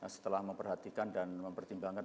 setelah memperhatikan dan mempertimbangkan